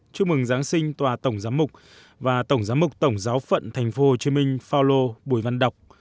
chúc mừng giáng sinh tòa tổng giám mục và tổng giám mục tổng giáo phận tp hcm phao lô bùi văn đọc